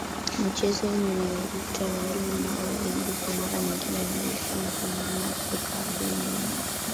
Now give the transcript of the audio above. mchezo inayoitwa adumu au aigus mara nyingine inajulikana kama ngoma ya kuruka adumu na